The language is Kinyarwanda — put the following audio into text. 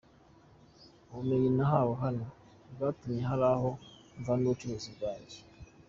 Ubumenyi nahawe hano bwatumye hari aho mvana ubucuruzi bwanjye.